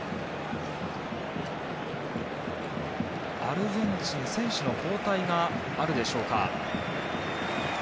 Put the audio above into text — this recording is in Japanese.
アルゼンチン選手の交代があるでしょうか。